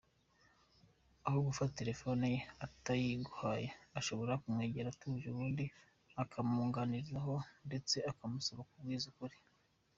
Aho gufata telefoni ye atayiguhaye, ushobora kumwegera utuje ubundi ukabimuganirizaho ndetse ukamusaba kukubwiza ukuri.